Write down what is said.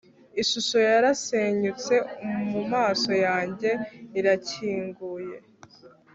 ishusho yarasenyutse ... mumaso yanjye irakinguye